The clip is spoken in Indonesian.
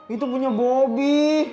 itu punya bobby